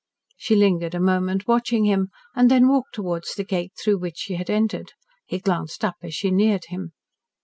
She lingered a moment watching him, and then walked towards the gate through which she had entered. He glanced up as she neared him.